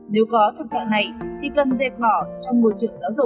nếu có thực trạng này thì cần dẹp bỏ trong môi trường giáo dục